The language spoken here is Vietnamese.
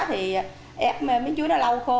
thì ép miếng chuối nó lâu khô